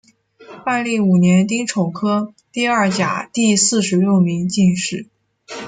万历五年丁丑科第二甲第四十六名进士。